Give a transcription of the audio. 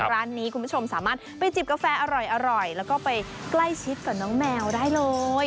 ร้านนี้คุณผู้ชมสามารถไปจิบกาแฟอร่อยแล้วก็ไปใกล้ชิดกับน้องแมวได้เลย